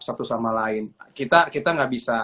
satu sama lain kita nggak bisa